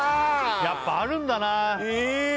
やっぱあるんだないい